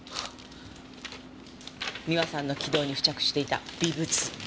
三輪さんの気道に付着していた微物。